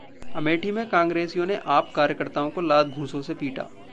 अमेठी में कांग्रेसियों ने ‘आप’ कार्यकर्ताओं को लात-घूंसों से पीटा